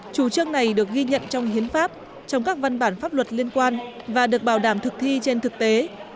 chủ trương này được ghi nhận trong hiến pháp trong các văn bản pháp luật liên quan và được bảo đảm thực thi trên thực tế